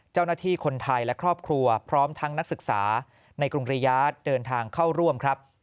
เจ้าหน้าที่คนไทยและครอบครัวพร้อมทั้งนักศึกษาในกรุงริยาทเดินทางเข้าร่วมครับ